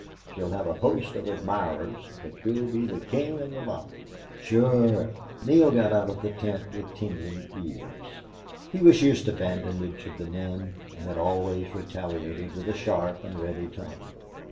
She'll have a host of admirers, but you'll be the king of the lot sure." Neale got out of the tent with tingling ears. He was used to the badinage of the men, and had always retaliated with a sharp and ready tongue.